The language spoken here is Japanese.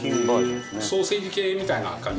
ソーセージ系みたいな感じですね。